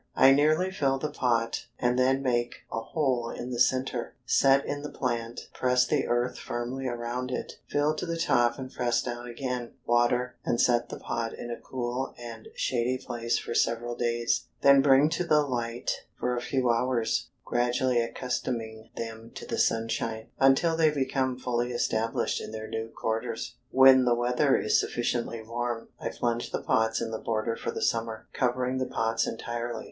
I nearly fill the pot, and then make a hole in the center, set in the plant, press the earth firmly around it, fill to the top and press down again, water, and set the pot in a cool and shady place for several days, then bring to the light for a few hours, gradually accustoming them to the sunshine, until they become fully established in their new quarters. When the weather is sufficiently warm, I plunge the pots in the border for the summer, covering the pots entirely.